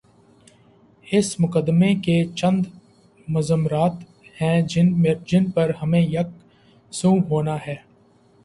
اس مقدمے کے چند مضمرات ہیں جن پر ہمیں یک سو ہونا ہے۔